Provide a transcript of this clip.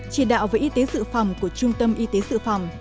chỉ đạo về y tế dự phòng của trung tâm y tế dự phòng